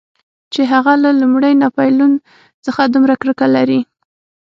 چې هغه له لومړي ناپلیون څخه دومره کرکه لري.